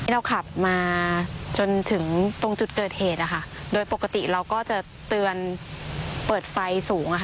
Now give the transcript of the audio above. เราขับมาจนถึงตรงจุดเกิดเหตุโดยปกติเราก็จะเตือนเปิดไฟสูง